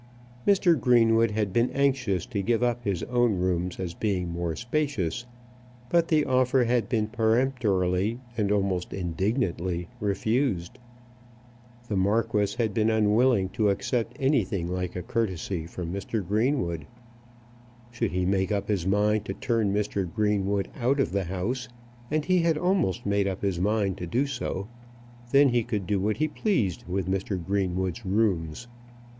Mr. Greenwood had been anxious to give up his own rooms as being more spacious; but the offer had been peremptorily and almost indignantly refused. The Marquis had been unwilling to accept anything like a courtesy from Mr. Greenwood. Should he make up his mind to turn Mr. Greenwood out of the house, and he had almost made up his mind to do so, then he could do what he pleased with Mr. Greenwood's rooms.